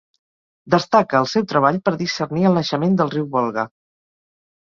Destaca el seu treball per discernir el naixement del riu Volga.